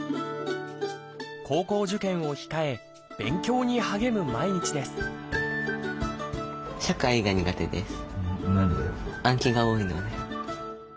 高校受験を控え勉強に励む毎日です何で？